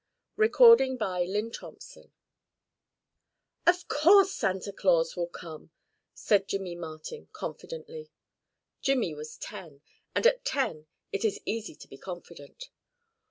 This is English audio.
Christmas at Red Butte "Of course Santa Claus will come," said Jimmy Martin confidently. Jimmy was ten, and at ten it is easy to be confident.